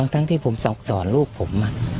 ทั้งที่ผมสั่งสอนลูกผม